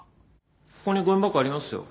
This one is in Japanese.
ここにごみ箱ありますよ